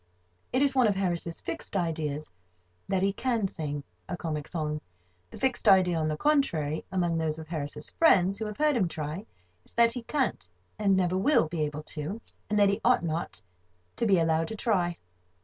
It is one of Harris's fixed ideas that he can sing a comic song; the fixed idea, on the contrary, among those of Harris's friends who have heard him try, is that he can't and never will be able to, and that he ought not to be allowed to try.